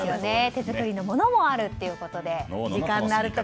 手作りのものもあるということで。